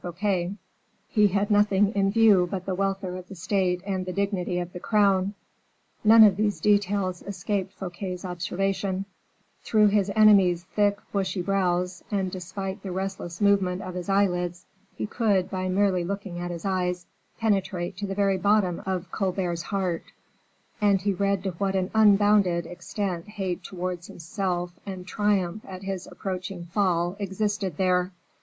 Fouquet, he had nothing in view but the welfare of the state and the dignity of the crown. None of these details escaped Fouquet's observation; through his enemy's thick, bushy brows, and despite the restless movement of his eyelids, he could, by merely looking at his eyes, penetrate to the very bottom of Colbert's heart, and he read to what an unbounded extent hate towards himself and triumph at his approaching fall existed there.